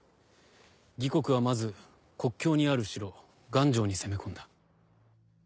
魏国はまず国境にある城丸城に攻め込んだ。